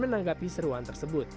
menanggapi seruan tersebut